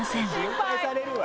心配されるわ！